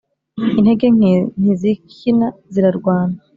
Intege nke ntizikina zirarwana.